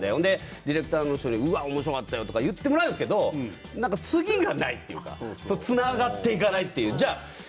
ディレクターの人におもしろかったと言ってもらうんですけど次がないというかつながっていかない。